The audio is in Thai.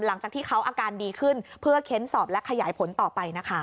หลังจากที่เขาอาการดีขึ้นเพื่อเค้นสอบและขยายผลต่อไปนะคะ